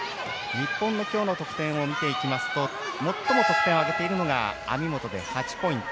日本の今日の得点を見ていくと最も得点を挙げているのが網本で８ポイント。